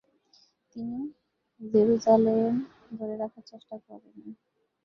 তিনি জেরুসালেম ধরে রাখার চেষ্টা করেননি।